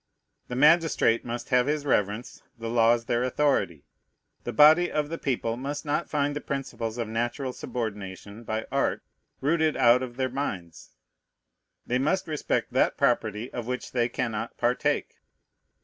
The magistrate must have his reverence, the laws their authority. The body of the people must not find the principles of natural subordination by art rooted out of their minds. They must respect that property of which they cannot partake.